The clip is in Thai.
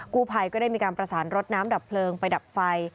ผู้ภัยก็ได้มีการประสานรถน้ำดับเพลิงไปดับไฟ